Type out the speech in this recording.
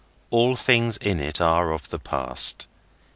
All things in it are of the past.